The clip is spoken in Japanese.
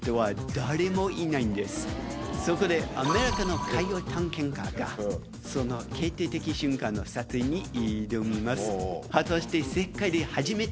そこでアメリカの海洋探検家がその決定的瞬間の撮影に挑みます。